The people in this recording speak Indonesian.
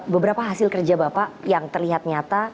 beberapa hasil kerja bapak yang terlihat nyata